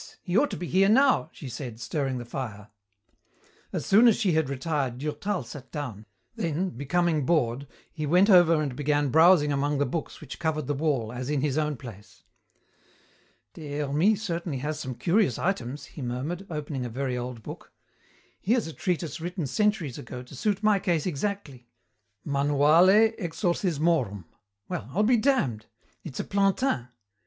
He ought to be here now," she said, stirring the fire. As soon as she had retired Durtal sat down, then, becoming bored, he went over and began browsing among the books which covered the wall as in his own place. "Des Hermies certainly has some curious items," he murmured, opening a very old book. Here's a treatise written centuries ago to suit my case exactly. Manuale exorcismorum. Well, I'll be damned! It's a Plantin.